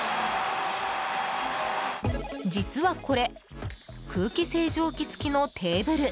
実はこれ空気清浄機付きのテーブル。